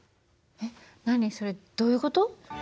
えっ何それどういう事？